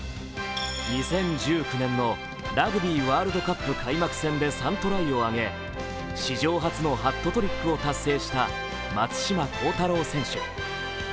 ２０１９年のラグビーワールドカップ開幕戦で３トライを挙げ史上初のハットトリックを達成した松島幸太朗選手。